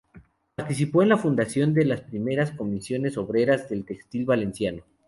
Participó en la fundación de las primeras Comisiones Obreras del textil valenciano.